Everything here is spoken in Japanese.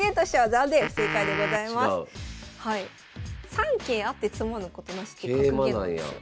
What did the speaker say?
「三桂あって詰まぬことなし」っていう格言なんですよ。